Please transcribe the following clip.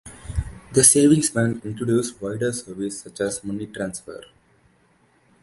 The savings banks introduced wider services such as money transfers.